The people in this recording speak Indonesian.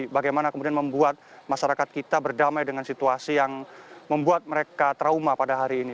bagaimana kemudian membuat masyarakat kita berdamai dengan situasi yang membuat mereka trauma pada hari ini